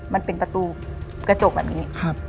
มันเป็นประตูกระจกแบบนี้